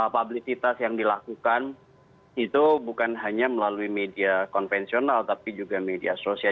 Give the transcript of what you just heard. publicitas yang dilakukan itu bukan hanya melalui media konvensional tapi juga media sosial